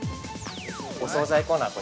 ◆お総菜コーナー